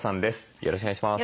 よろしくお願いします。